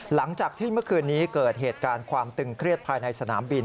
หลังจากที่เมื่อคืนนี้เกิดเหตุการณ์ความตึงเครียดภายในสนามบิน